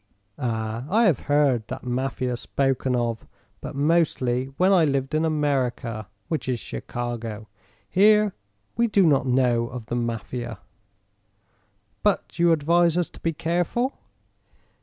"Ah, I have heard that Mafia spoken of, but mostly when I lived in America, which is Chicago. Here we do not know of the Mafia." "But you advise us to be careful?"